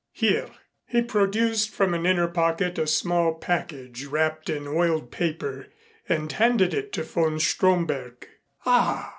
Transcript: Here." He produced from an inner pocket a small package wrapped in oiled paper and handed it to von Stromberg. "Ah!"